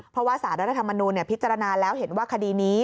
เพราะว่าสารรัฐธรรมนูลพิจารณาแล้วเห็นว่าคดีนี้